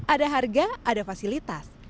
ada harga ada fasilitas